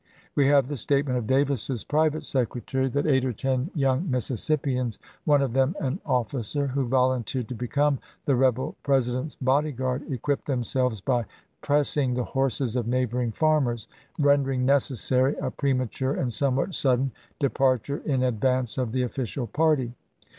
We have the statement of Davis's private secretary that eight or ten young Mississippians, one of them an officer, who volunteered to become the rebel Presi dent's body guard, equipped themselves by " press hHJSso?; ing " the horses of neighboring farmers, rendering century^ necessary a premature and somewhat sudden de °PT "i33. " parture in advance of the official party.